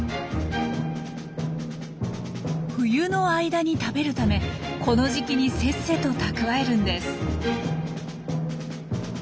冬の間に食べるためこの時期にせっせと蓄えるんです。